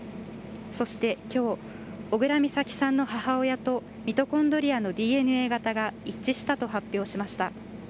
そしてきょう小倉美咲さんの母親とミトコンドリアのＤＮＡ型が一致したと発表しました。